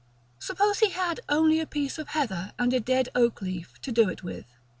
Suppose he had only a piece of heather and a dead oak leaf to do it with.